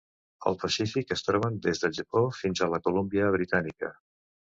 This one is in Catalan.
Al Pacífic es troben des del Japó fins a la Colúmbia britànica.